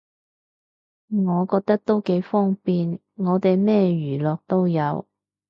我覺得都幾方便，我哋咩娛樂都有